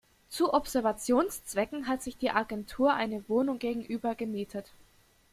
Zu Observationszwecken hat sich die Agentur eine Wohnung gegenüber gemietet.